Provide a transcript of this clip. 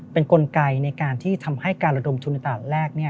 เป็นกลไกในการที่ทำให้การระดมทุนในตลาดแรก